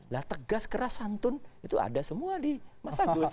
lah tegas keras santun itu ada semua di mas agus